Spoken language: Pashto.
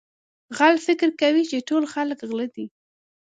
غل فکر کوي چې ټول خلک غله دي.